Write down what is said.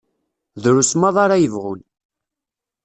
Drus maḍi ara yebɣun.